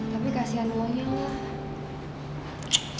tapi kasihan lo nya lah